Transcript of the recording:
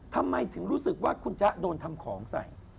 ทำไมถึงรู้สึกว่าคุณจ๊ะโดนทำของใส่